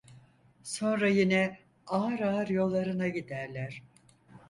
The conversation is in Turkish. Sonra yine ağır ağır yollarına giderler.